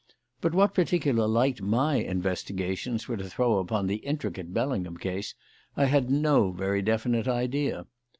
But what particular light my investigations were to throw upon the intricate Bellingham case I had no very definite idea.